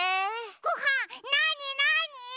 ごはんなになに？